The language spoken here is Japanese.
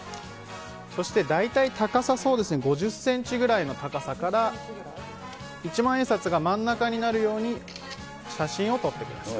そして大体高さ、そうですね、５０センチぐらいの高さから、一万円札が真ん中になるように写真を撮ってください。